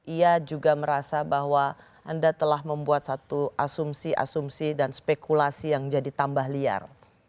ia juga merasa bahwa anda telah membuat satu asumsi asumsi dan spekulasi yang jadi tambah liar